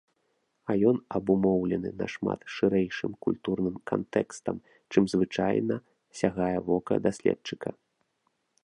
А ён абумоўлены нашмат шырэйшым культурным кантэкстам, чым звычайна сягае вока даследчыка.